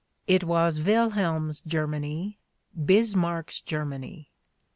It was Wilhelm's Germany, Bismarck's Ger many.